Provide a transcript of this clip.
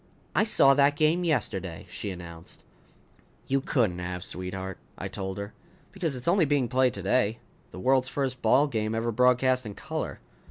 "I saw that game yesterday!" she announced. "You couldn't have, sweetheart," I told her. "Because it's only being played today. The world's first ball game ever broadcast in color."